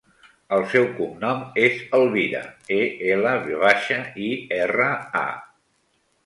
El seu cognom és Elvira: e, ela, ve baixa, i, erra, a.